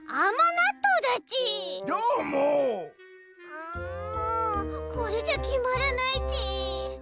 うんもうこれじゃきまらないち。